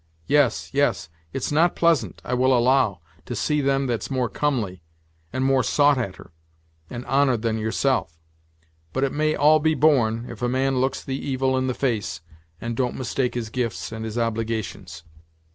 Yes, yes; it's not pleasant, I will allow, to see them that's more comely, and more sought a'ter, and honored than yourself; but it may all be borne, if a man looks the evil in the face, and don't mistake his gifts and his obligations."